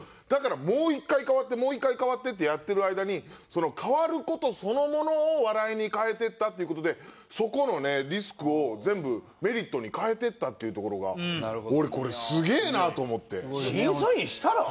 だからもう１回代わってもう１回代わってってやってる間にその代わる事そのものを笑いに変えていったっていう事でそこのねリスクを全部メリットに変えていったっていうところが俺これすげえなと思って。